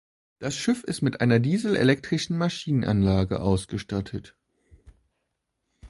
Das Schiff ist mit einer dieselelektrischen Maschinenanlage ausgestattet.